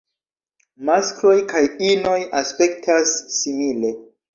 Maskloj kaj inoj aspektas simile.